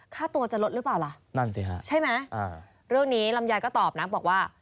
ค่าตัวจะลดหรือเปล่าล่ะนั่นสิฮะใช่ไหมเรื่องนี้ลำไยก็ตอบนะบอกว่า